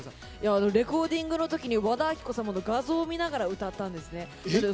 レコーディングのときに和田アキ子さんの画像を見ながら歌ったんです。